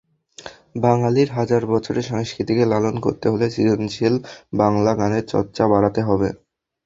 বাঙালির হাজার বছরের সংস্কৃতিকে লালন করতে হলে সৃজনশীল বাংলা গানের চর্চা বাড়াতে হবে।